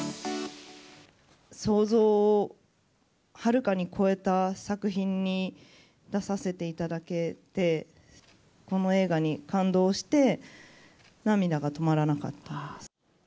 想像をはるかに超えた作品に出させていただけて、この映画に感動して、涙が止まらなかった。